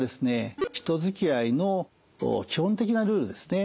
人づきあいの基本的なルールですね